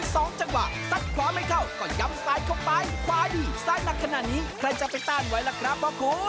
สวัสดีครับ